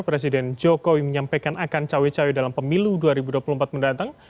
presiden jokowi menyampaikan akan cawe cawe dalam pemilu dua ribu dua puluh empat mendatang